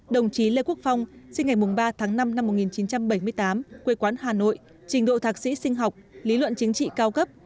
đồng chí lê quốc phong sinh ngày ba tháng năm năm một nghìn chín trăm bảy mươi tám quê quán hà nội trình độ thạc sĩ sinh học lý luận chính trị cao cấp